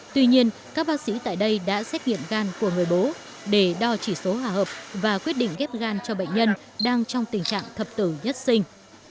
tuy nhiên các bác sĩ tại đây đã xét nghiệm gan của người bố để đo chỉ số hòa hợp và quyết định ghép gan cho bệnh nhân đang trong tình trạng thập tử nhất sinh